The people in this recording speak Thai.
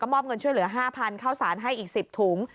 มอบเงินช่วยเหลือ๕๐๐ข้าวสารให้อีก๑๐ถุง